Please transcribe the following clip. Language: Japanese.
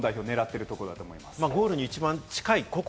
この相乗効果が日本代表が狙っているところだと思います。